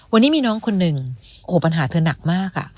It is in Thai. วันนี้มีน้องคนหนึ่งโอ้โหปัญหาเธอหนักมาก